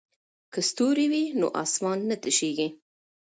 که ستوري وي نو اسمان نه تشیږي.